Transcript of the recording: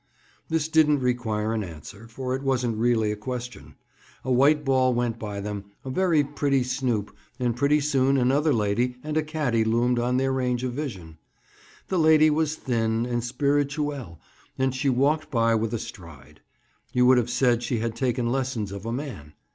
This didn't require an answer, for it wasn't really a question. A white ball went by them, a very pretty snoop, and pretty soon another lady and a caddy loomed on their range of vision. The lady was thin and spirituelle and she walked by with a stride. You would have said she had taken lessons of a man.